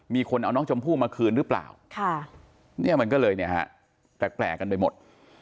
มีคนเอาน้องจมพู่มาคืนหรือเปล่ามันก็เลยแปลกกันไปหมด